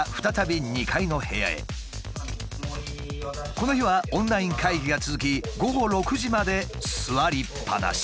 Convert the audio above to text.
この日はオンライン会議が続き午後６時まで座りっぱなし。